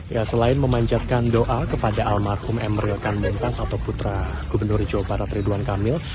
ya selain memanjatkan doa kepada almarhum emeril kan muntas atau putra gubernur jawa barat ridwan kamil